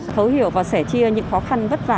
thấu hiểu và sẻ chia những khó khăn vất vả